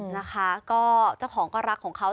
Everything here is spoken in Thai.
นะคะก็เจ้าของก็รักของเขา